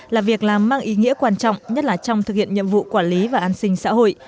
là việc làm mang ý nghĩa quan trọng nhất là trong thực hiện nhiệm vụ quản lý và an sinh xã hội